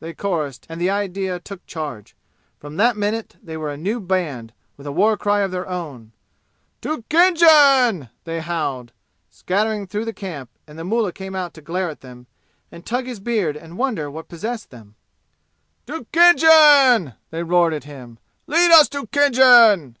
they chorused, and the idea took charge. From that minute they were a new band, with a war cry of their own. "To Khinjan!" they howled, scattering through the camp, and the mullah came out to glare at them and tug his beard and wonder what possessed them. "To Khinjan!" they roared at him. "Lead us to Khinjan!"